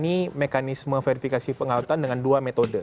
ini mekanisme verifikasi pengawatan dengan dua metode